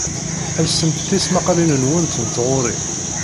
Lsemt tismaqqalin-nwent n tɣuri.